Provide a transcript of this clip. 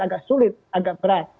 agak sulit agak berat